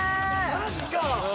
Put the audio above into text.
マジか！